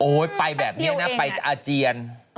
ไปแบบนี้นะไปอาเจียน